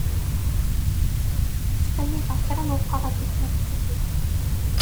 Ttqellibeɣ kra n weqrab i tmeṭṭut-iw.